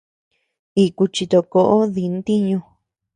Iku chitokoʼo di ntiñu.